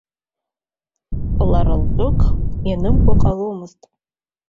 Лара лтәык уа ианымкәа ҟаломызт.